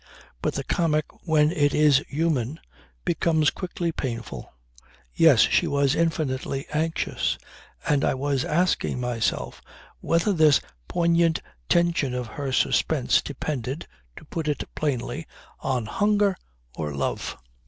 But the comic when it is human becomes quickly painful. Yes, she was infinitely anxious. And I was asking myself whether this poignant tension of her suspense depended to put it plainly on hunger or love.